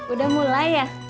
udah mulai ya